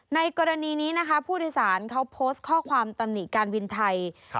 ในกรณีนี้นะคะผู้โดยสารเขาโพสต์ข้อความตำหนิการบินไทย